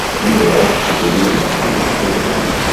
Ssemberayo sikuyiira enva zino ate zookya nnyo.